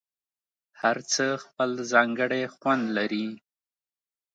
هر څه خپل ځانګړی خوند لري.